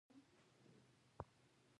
زردالو د افغان ښځو په ژوند کې رول لري.